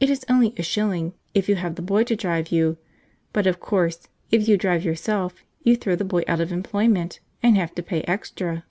It is only a shilling, if you have the boy to drive you; but, of course, if you drive yourself, you throw the boy out of employment, and have to pay extra.